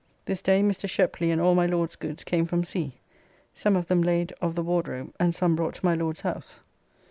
This day Mr. Sheply and all my Lord's goods came from sea, some of them laid of the Wardrobe and some brought to my Lord's house.